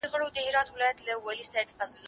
زه درسونه نه اورم؟!